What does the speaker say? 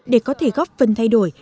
để có thể góp phần thay đổi